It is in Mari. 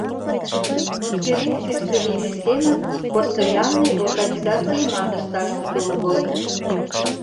Конференцийыште лийме семын постоянный организацийымат ышташ уто огыл.